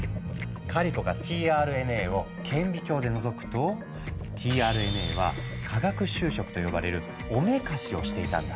カリコがｔＲＮＡを顕微鏡でのぞくとｔＲＮＡは化学修飾と呼ばれるおめかしをしていたんだ。